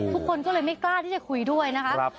ทุกคนก็เลยไม่กล้าที่จะคุยด้วยนะคะ